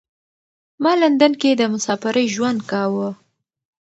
ما لندن کې د مسافرۍ ژوند کاوه.